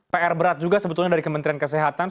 pr berat juga sebetulnya dari kementerian kesehatan